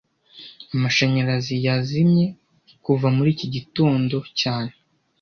Amashanyarazi yazimye kuva muri iki gitondo cyane